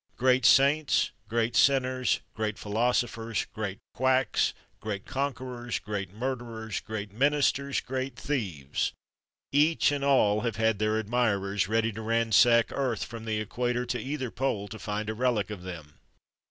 Great saints, great sinners; great philosophers, great quacks; great conquerors, great murderers; great ministers, great thieves; each and all have had their admirers, ready to ransack earth, from the equator to either pole, to find a relic of them.